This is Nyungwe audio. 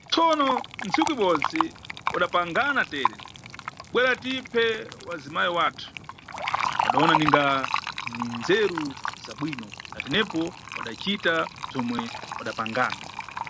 Tsono, tsiku ibodzi wadapangana tere: bwera tiphe wazimayi wathu, wadawona ninga ndindzeru zabwino, natenepo wadacita bzomwe wadapangana.